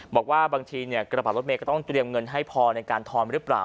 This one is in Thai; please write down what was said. บอกว่าบางทีกระเป๋ารถเมย์ก็ต้องเตรียมเงินให้พอในการทอนหรือเปล่า